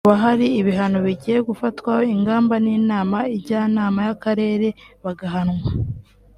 ngo hakaba hari ibihano bigiye gufatwaho ingamba n’inama njyanama y’akarere bagahanwa